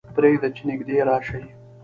پرېږده چې نږدې راشي.